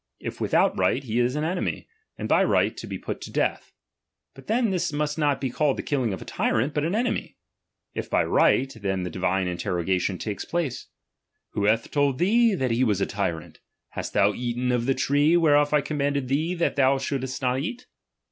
If without right, he is an enemy, and by right to be put to death ; but then this must not "be called the killing a tyrant, but an enemy. If \rf right, then the divine interrogation takes place: Who hath told thee that he was a tyrant 9 Hast ikou eaten of the tree, whereof I commajided thee that thou shouldst not eat